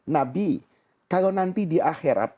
nabi kalau nanti di akhirat